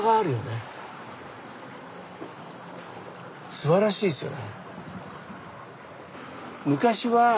すばらしいですよね。